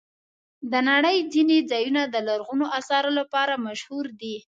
د نړۍ ځینې ځایونه د لرغونو آثارو لپاره مشهور دي.